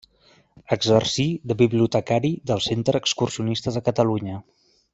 Exercí de bibliotecari del Centre Excursionista de Catalunya.